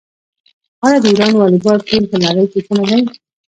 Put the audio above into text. آیا د ایران والیبال ټیم په نړۍ کې ښه نه دی؟